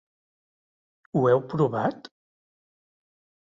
Ho heu provat?